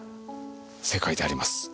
正解であります。